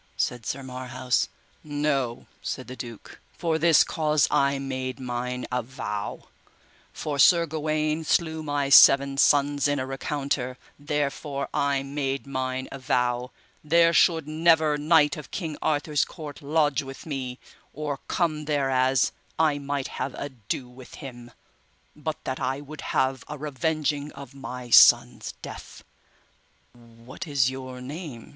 said Sir Marhaus. No, said the duke, for this cause I made mine avow, for Sir Gawaine slew my seven sons in a recounter, therefore I made mine avow, there should never knight of King Arthur's court lodge with me, or come thereas I might have ado with him, but that I would have a revenging of my sons' death. What is your name?